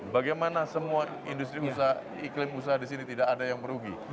bagaimana semua industri iklim usaha di sini tidak ada yang merugi